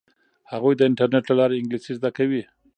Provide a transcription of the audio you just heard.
هغوی د انټرنیټ له لارې انګلیسي زده کوي.